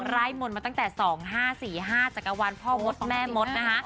ไล่มนต์มาตั้งแต่๒๕๔๕จักรวาลพ่อมดแม่มดนะคะ